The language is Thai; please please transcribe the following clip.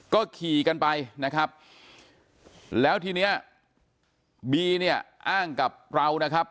ก็ขี่กันไปนะครับแล้วทีเนี้ยบีเนี่ยอ้างกับเรานะครับ